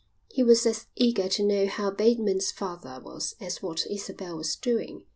He was as eager to know how Bateman's father was as what Isabel was doing.